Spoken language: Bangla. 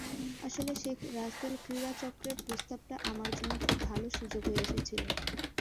আসলে শেখ রাসেল ক্রীড়াচক্রের প্রস্তাবটা আমার জন্য খুব ভালো সুযোগ হয়ে এসেছিল।